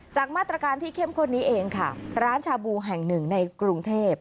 จากมาตรการที่เข้มข้นนี้เองค่ะร้านชาบูแห่งหนึ่งในกรุงเทพ